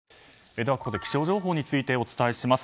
ではここで気象情報についてお伝えします。